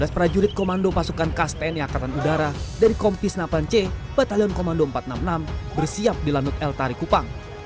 sembilan belas prajurit komando pasukan kasten yakatan udara dari kompis delapan c batalion komando empat ratus enam puluh enam bersiap di lanut el tari kupang